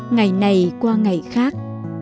ngày này qua ngày khác